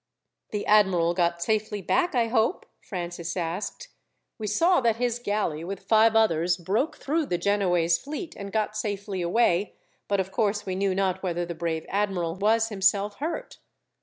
"The admiral got safely back, I hope?" Francis asked. "We saw that his galley, with five others, broke through the Genoese fleet and got safely away, but of course, we knew not whether the brave admiral was himself hurt."